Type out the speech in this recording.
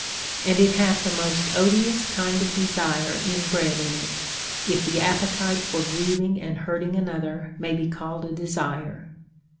And it hath the most odious kind of desire inbred in it, if the appetite for grieving and hurting another may be called a desire.